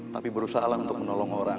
tapi berusahalah untuk menolong orang